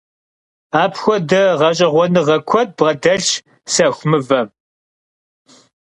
Apxuede ğeş'eğuenığe kued bğedelhş sexu mıvem!